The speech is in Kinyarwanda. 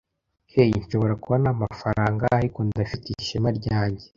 Hey, nshobora kuba ntamafaranga, ariko ndacyafite ishema ryanjye.